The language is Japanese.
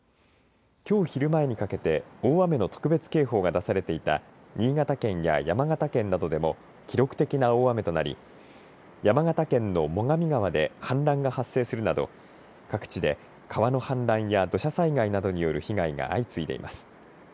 きょう昼前にかけて大雨の特別警報が出されていた新潟県や山形県などでも記録的な大雨となり山形県の最上川で氾濫が発生するなど各地で川の氾濫や土砂災害などによる被害が相次いでいます。